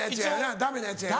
ダメなやつやよな？